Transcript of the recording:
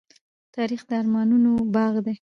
تاریخ د ارمانونو باغ دی.